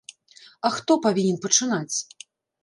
А хто павінен пачынаць?